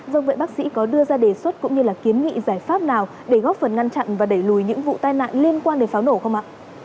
vâng vậy bác sĩ có đưa ra đề xuất cũng như là kiến nghị giải pháp nào để góp phần ngăn chặn và đẩy lùi những vụ tai nạn liên quan đến pháo nổ không ạ